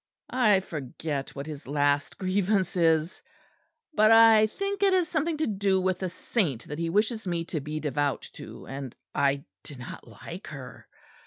I forget what his last grievance is; but I think it is something to do with a saint that he wishes me to be devout to; and I do not like her.